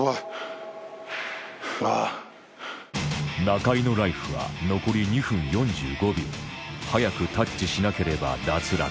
中井のライフは残り２分４５秒早くタッチしなければ脱落